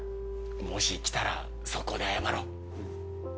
もし来たら速攻で謝ろう。